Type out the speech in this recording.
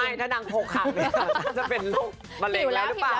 ไม่ถ้านางโคร๊กขาไปก่อนจะเป็นลูกมะเล็กรึเปล่า